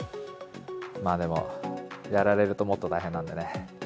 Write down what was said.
でも、やられるともっと大変なんでね。